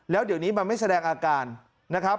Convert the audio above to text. แล้วเดี๋ยวนี้มันไม่แสดงอาการนะครับ